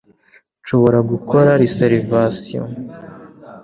Nshobora gukora reservation